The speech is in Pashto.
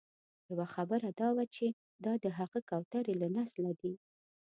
یوه خبره دا وه چې دا د هغه کوترې له نسله دي.